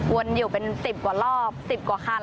วนอยู่เป็น๑๐กว่ารอบ๑๐กว่าคัน